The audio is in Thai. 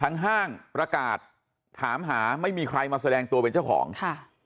ห้างประกาศถามหาไม่มีใครมาแสดงตัวเป็นเจ้าของค่ะ